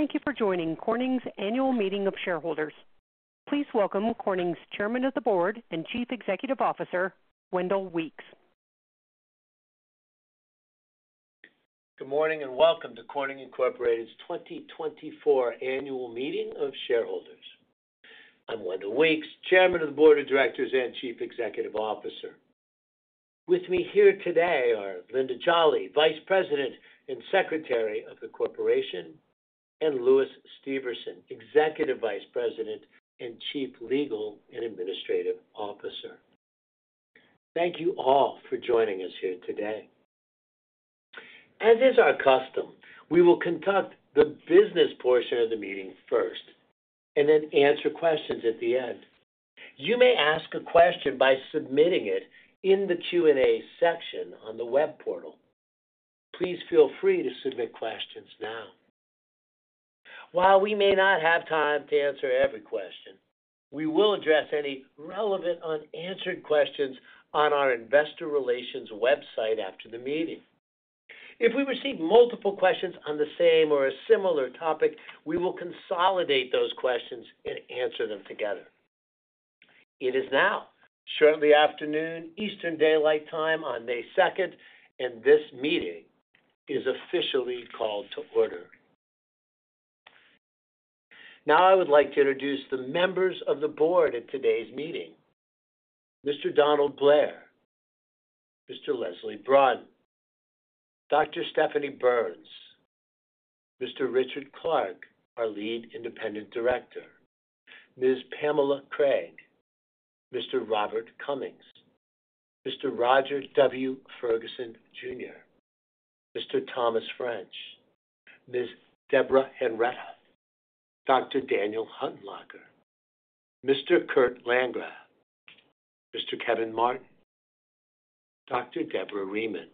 Thank you for joining Corning's Annual Meeting of Shareholders. Please welcome Corning's Chairman of the Board and Chief Executive Officer, Wendell Weeks. Good morning, and welcome to Corning Incorporated's 2024 Annual Meeting of Shareholders. I'm Wendell Weeks, Chairman of the Board of Directors and Chief Executive Officer. With me here today are Linda Jolly, Vice President and Secretary of the Corporation, and Lewis Steverson, Executive Vice President and Chief Legal and Administrative Officer. Thank you all for joining us here today. As is our custom, we will conduct the business portion of the meeting first, and then answer questions at the end. You may ask a question by submitting it in the Q&A section on the web portal. Please feel free to submit questions now. While we may not have time to answer every question, we will address any relevant, unanswered questions on our investor relations website after the meeting. If we receive multiple questions on the same or a similar topic, we will consolidate those questions and answer them together. It is now shortly afternoon, Eastern Daylight Time on May second, and this meeting is officially called to order. Now, I would like to introduce the members of the board at today's meeting. Mr. Donald Blair, Mr. Leslie Brun, Dr. Stephanie Burns, Mr. Richard Clark, our Lead Independent Director, Ms. Pamela Craig, Mr. Robert Cummings, Mr. Roger W. Ferguson Jr., Mr. Thomas French, Ms. Deborah Henretta, Dr. Daniel Huttenlocher, Mr. Kurt Landgraf, Mr. Kevin Martin, Dr. Deborah Rieman,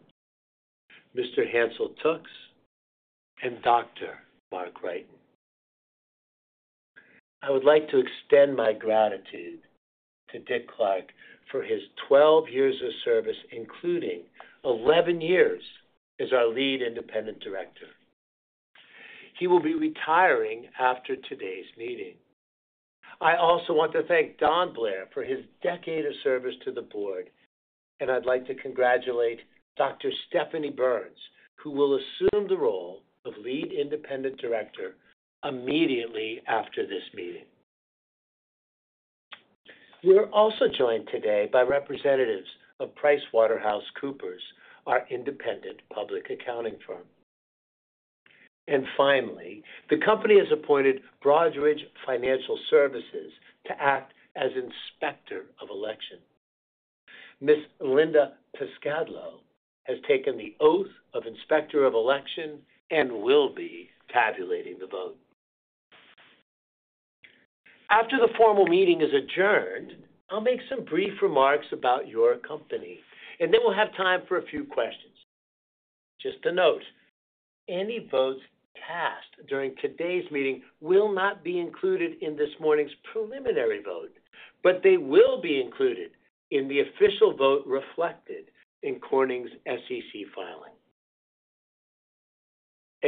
Mr. Hansel Tookes, and Dr. Mark Wrighton. I would like to extend my gratitude to Dick Clark for his 12 years of service, including 11 years as our lead independent director. He will be retiring after today's meeting. I also want to thank Don Blair for his decade of service to the board, and I'd like to congratulate Dr. Stephanie Burns, who will assume the role of Lead Independent Director immediately after this meeting. We're also joined today by representatives of PricewaterhouseCoopers, our independent public accounting firm. And finally, the company has appointed Broadridge Financial Solutions to act as Inspector of Election. Ms. Linda Piscadlo has taken the oath of Inspector of Election and will be tabulating the vote. After the formal meeting is adjourned, I'll make some brief remarks about your company, and then we'll have time for a few questions. Just to note, any votes cast during today's meeting will not be included in this morning's preliminary vote, but they will be included in the official vote reflected in Corning's SEC filing.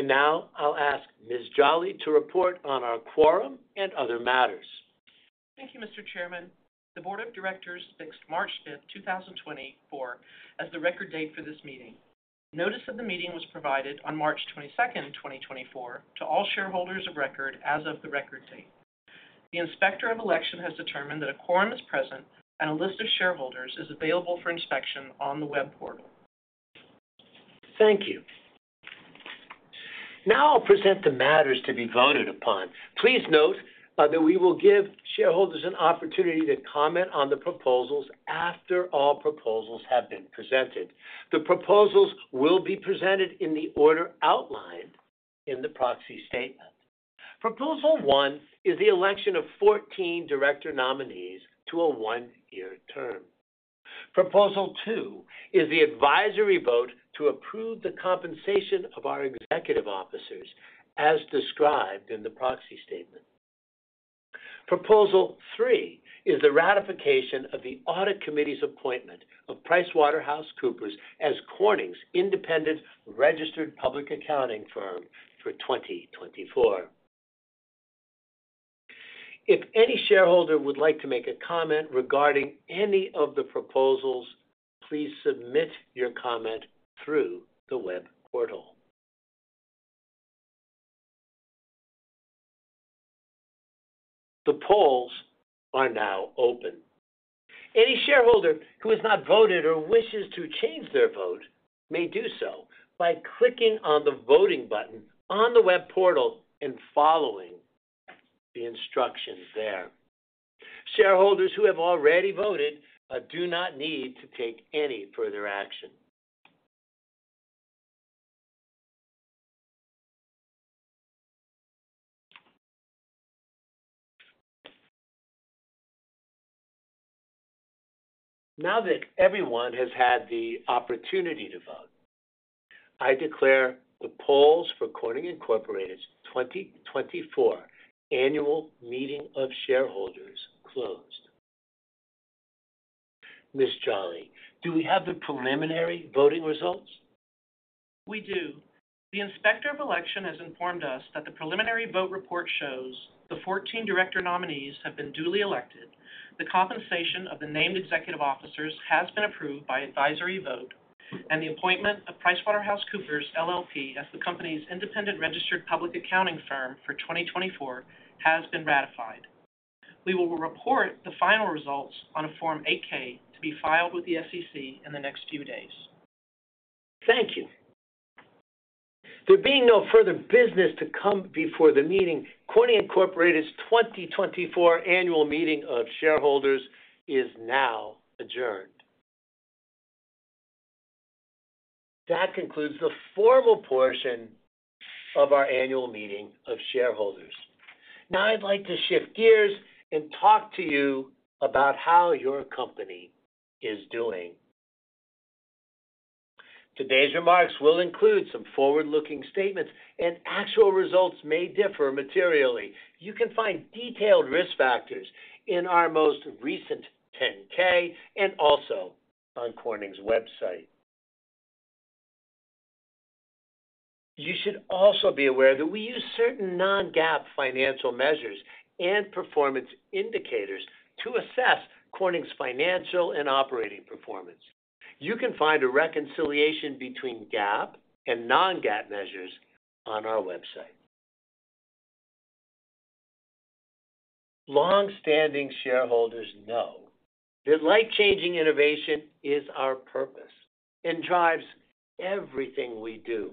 Now I'll ask Ms. Jolly to report on our quorum and other matters. Thank you, Mr. Chairman. The Board of Directors fixed March 5, 2024, as the record date for this meeting. Notice of the meeting was provided on March 22, 2024, to all shareholders of record as of the record date. The Inspector of Election has determined that a quorum is present, and a list of shareholders is available for inspection on the web portal. Thank you. Now I'll present the matters to be voted upon. Please note, that we will give shareholders an opportunity to comment on the proposals after all proposals have been presented. The proposals will be presented in the order outlined in the proxy statement. Proposal 1 is the election of 14 director nominees to a one-year term. Proposal 2 is the advisory vote to approve the compensation of our executive officers, as described in the proxy statement. Proposal 3 is the ratification of the Audit Committee's appointment of PricewaterhouseCoopers as Corning's independent registered public accounting firm for 2024. If any shareholder would like to make a comment regarding any of the proposals, please submit your comment through the web portal. The polls are now open. Any shareholder who has not voted or wishes to change their vote may do so by clicking on the voting button on the web portal and following the instructions there. Shareholders who have already voted do not need to take any further action. Now that everyone has had the opportunity to vote, I declare the polls for Corning Incorporated's 2024 Annual Meeting of Shareholders closed. Ms. Jolly, do we have the preliminary voting results? We do. The Inspector of Election has informed us that the preliminary vote report shows the 14 director nominees have been duly elected, the compensation of the named executive officers has been approved by advisory vote, and the appointment of PricewaterhouseCoopers LLP as the company's independent registered public accounting firm for 2024 has been ratified. We will report the final results on a Form 8-K to be filed with the SEC in the next few days. Thank you. There being no further business to come before the meeting, Corning Incorporated's 2024 Annual Meeting of Shareholders is now adjourned. That concludes the formal portion of our annual meeting of shareholders. Now, I'd like to shift gears and talk to you about how your company is doing. Today's remarks will include some forward-looking statements, and actual results may differ materially. You can find detailed risk factors in our most recent 10-K and also on Corning's website. You should also be aware that we use certain non-GAAP financial measures and performance indicators to assess Corning's financial and operating performance. You can find a reconciliation between GAAP and non-GAAP measures on our website. Long-standing shareholders know that life-changing innovation is our purpose and drives everything we do.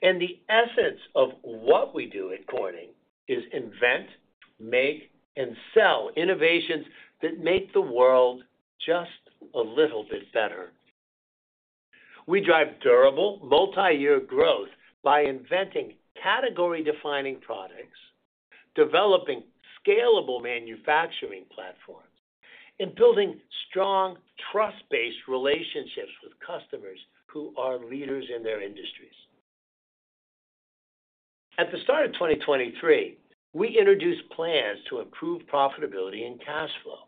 The essence of what we do at Corning is invent, make, and sell innovations that make the world just a little bit better. We drive durable, multi-year growth by inventing category-defining products, developing scalable manufacturing platforms, and building strong, trust-based relationships with customers who are leaders in their industries. At the start of 2023, we introduced plans to improve profitability and cash flow.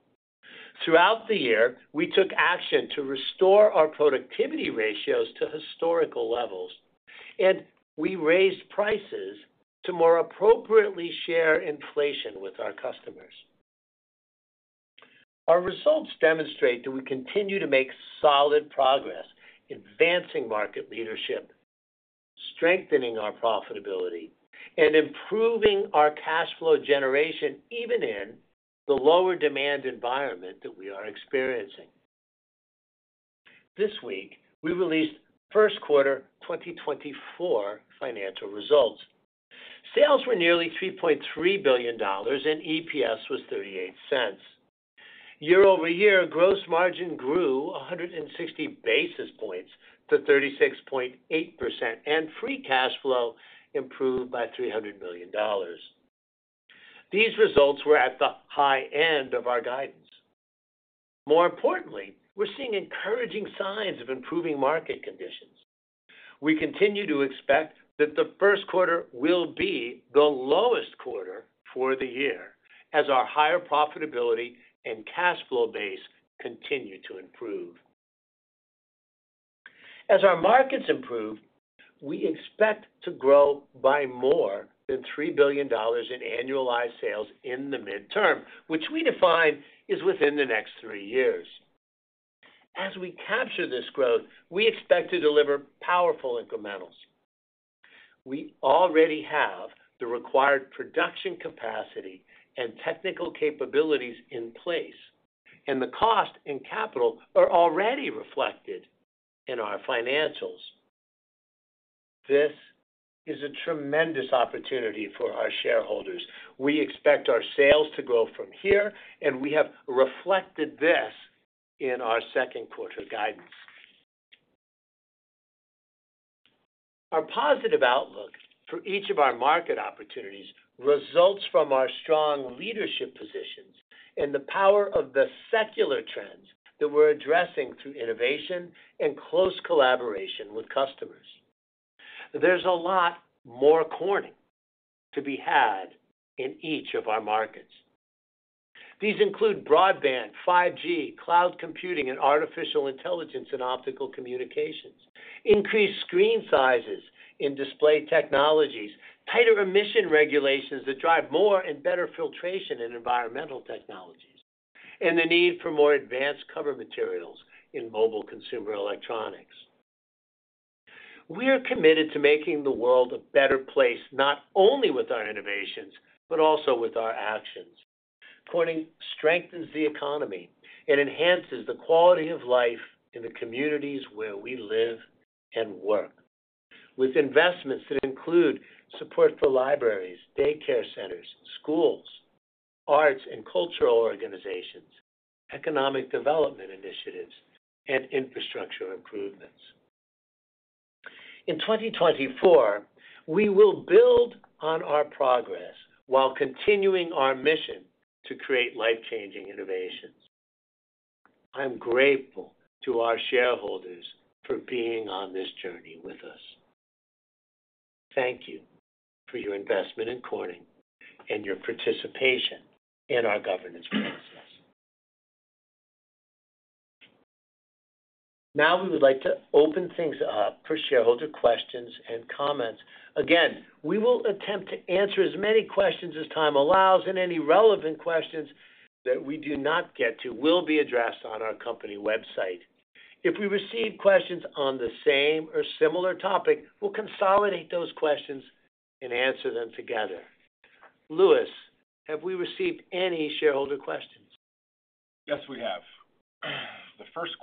Throughout the year, we took action to restore our productivity ratios to historical levels, and we raised prices to more appropriately share inflation with our customers. Our results demonstrate that we continue to make solid progress, advancing market leadership, strengthening our profitability, and improving our cash flow generation, even in the lower demand environment that we are experiencing. This week, we released first quarter 2024 financial results. Sales were nearly $3.3 billion, and EPS was $0.38. Year-over-year, gross margin grew 160 basis points to 36.8%, and free cash flow improved by $300 million. These results were at the high end of our guidance. More importantly, we're seeing encouraging signs of improving market conditions. We continue to expect that the first quarter will be the lowest quarter for the year, as our higher profitability and cash flow base continue to improve. As our markets improve, we expect to grow by more than $3 billion in annualized sales in the midterm, which we define is within the next 3 years. As we capture this growth, we expect to deliver powerful incrementals. We already have the required production capacity and technical capabilities in place, and the cost and capital are already reflected in our financials. This is a tremendous opportunity for our shareholders. We expect our sales to grow from here, and we have reflected this in our second quarter guidance. Our positive outlook for each of our market opportunities results from our strong leadership positions and the power of the secular trends that we're addressing through innovation and close collaboration with customers. There's a lot more Corning to be had in each of our markets. These include broadband, 5G, cloud computing, and artificial intelligence and optical communications, increased screen sizes in display technologies, tighter emission regulations that drive more and better filtration in environmental technologies, and the need for more advanced cover materials in mobile consumer electronics. We are committed to making the world a better place, not only with our innovations, but also with our actions. Corning strengthens the economy and enhances the quality of life in the communities where we live and work, with investments that include support for libraries, daycare centers, schools, arts and cultural organizations, economic development initiatives, and infrastructure improvements. In 2024, we will build on our progress while continuing our mission to create life-changing innovations. I'm grateful to our shareholders for being on this journey with us.... Thank you for your investment in Corning and your participation in our governance process. Now, we would like to open things up for shareholder questions and comments. Again, we will attempt to answer as many questions as time allows, and any relevant questions that we do not get to will be addressed on our company website. If we receive questions on the same or similar topic, we'll consolidate those questions and answer them together. Lewis, have we received any shareholder questions? Yes, we have. The first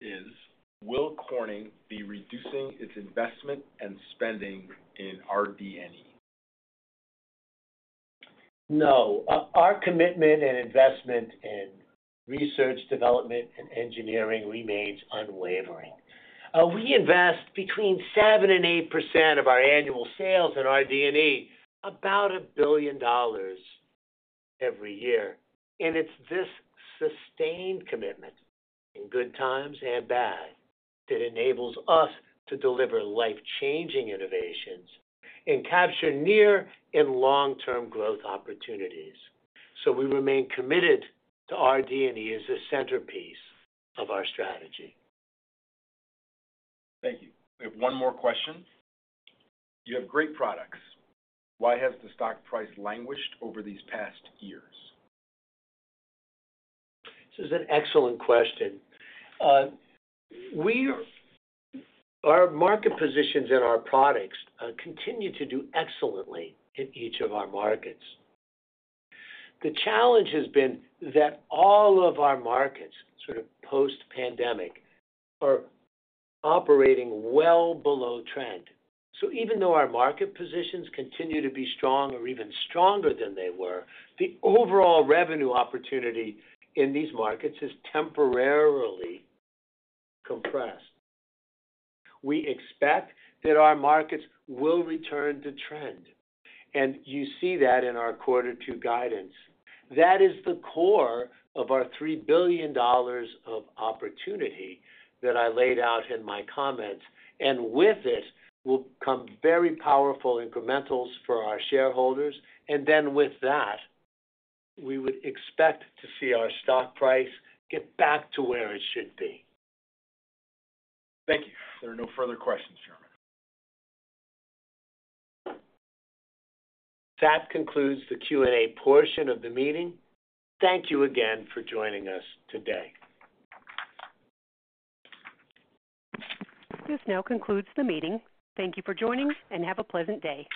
question is: Will Corning be reducing its investment and spending in RD&E? No. Our commitment and investment in research, development, and engineering remains unwavering. We invest between 7% and 8% of our annual sales in RD&E, about $1 billion every year, and it's this sustained commitment, in good times and bad, that enables us to deliver life-changing innovations and capture near- and long-term growth opportunities. So we remain committed to RD&E as a centerpiece of our strategy. Thank you. We have one more question. You have great products. Why has the stock price languished over these past years? This is an excellent question. Our market positions and our products continue to do excellently in each of our markets. The challenge has been that all of our markets, sort of post-pandemic, are operating well below trend. So even though our market positions continue to be strong or even stronger than they were, the overall revenue opportunity in these markets is temporarily compressed. We expect that our markets will return to trend, and you see that in our quarter two guidance. That is the core of our $3 billion of opportunity that I laid out in my comments, and with it, will come very powerful incrementals for our shareholders. And then with that, we would expect to see our stock price get back to where it should be. Thank you. There are no further questions, Chairman. That concludes the Q&A portion of the meeting. Thank you again for joining us today. This now concludes the meeting. Thank you for joining, and have a pleasant day.